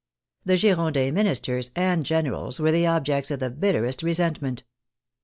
The Girondin ministers and generals were the objects of the bitterest resentment.